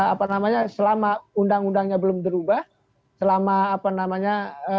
apa namanya selama undang undangnya belum dirubah selama apa namanya